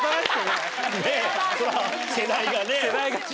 世代がね。